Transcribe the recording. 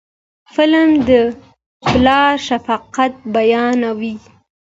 فلم د پلار شفقت بیانوي